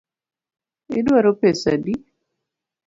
Iduaro pesa adi?